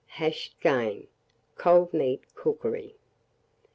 HASHED GAME (Cold Meat Cookery).